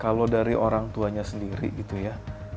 kalau dari orang tuanya sendiri gitu ya